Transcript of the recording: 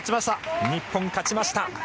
日本、勝ちました。